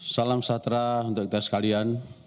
salam sejahtera untuk kita sekalian